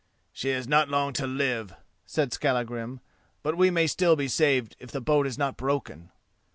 "She has not long to live," said Skallagrim, "but we may still be saved if the boat is not broken."